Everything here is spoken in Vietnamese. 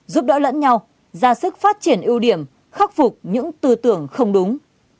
giúp đỡ lẫn nhau ra sức phát triển ưu điểm khắc phục những tư tưởng không đúng